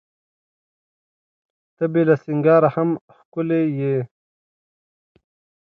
ته بې له سینګاره هم ښکلي یې.